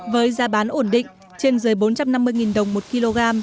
với giá bán ổn định trên dưới bốn trăm năm mươi đồng một kg